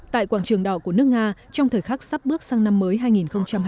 tại quảng trường đỏ của nước nga trong thời khắc sắp bước sang năm mới hai nghìn hai mươi